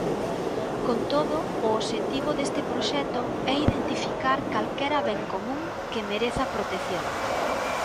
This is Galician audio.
Con todo, o obxectivo deste proxecto é identificar calquera ben común que mereza protección.